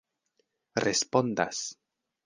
respondas